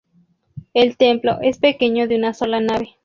El templo es pequeño de una sola nave.